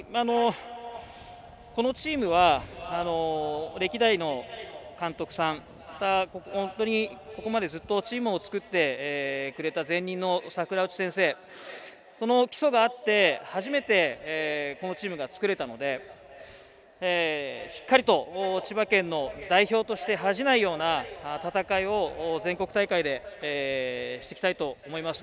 このチームは歴代の監督さんが本当に、ここまでずっとチームを作ってくれた前任の先生その基礎があって初めてこのチームが作れたのでしっかりと千葉県の代表として恥じないような戦いを全国大会でしてきたいと思います。